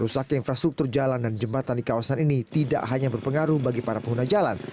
rusaknya infrastruktur jalan dan jembatan di kawasan ini tidak hanya berpengaruh bagi para pengguna jalan